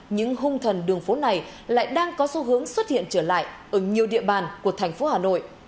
những hung thần đường phố này lại đang có xu hướng xuất hiện trở lại ở nhiều địa bàn của thành phố hà nội